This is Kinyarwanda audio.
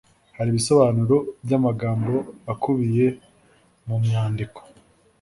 hari ibisobanuro b’amagambo akubiye mu myandiko